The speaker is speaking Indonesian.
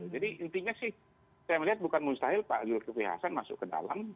jadi intinya sih saya melihat bukan mustahil pak suharto monoatpa masuk ke dalam